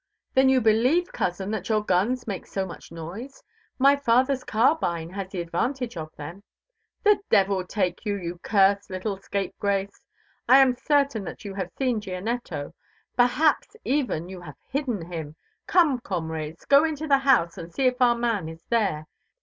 "Then you believe, cousin, that your guns make so much noise? My father's carbine has the advantage of them." "The devil take you, you cursed little scapegrace! I am certain that you have seen Gianetto. Perhaps, even, you have hidden him. Come, comrades, go into the house and see if our man is there.